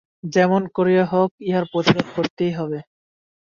যেমন করিয়া হোক ইহার প্রতিরোধ করিতেই হইবে।